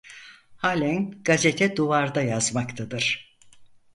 Halen Gazete Duvar'da yazmaktadır.